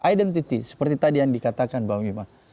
identitas seperti tadi yang dikatakan bang wimar